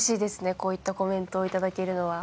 こういったコメントを頂けるのは。